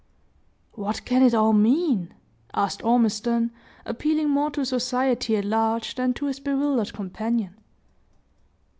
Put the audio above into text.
"What can it all mean?" asked Ormiston, appealing more to society at large than to his bewildered companion.